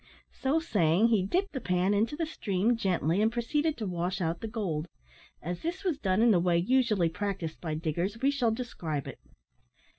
So saying he dipped the pan into the stream gently, and proceeded to wash out the gold. As this was done in the way usually practised by diggers, we shall describe it.